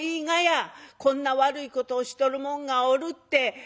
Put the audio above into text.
こんな悪いことをしとる者がおるって」。